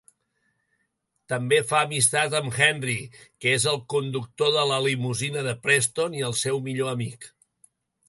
També fa amistat amb Henry, que és el conductor de la limusina de Preston i el seu millor amic.